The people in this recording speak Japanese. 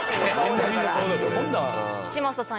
嶋佐さん